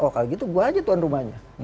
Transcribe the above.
oh kalau gitu gue aja tuan rumahnya